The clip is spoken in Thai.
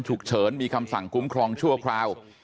ฉุกเฉินมีคำสั่งคุ้มครองชั่วคราว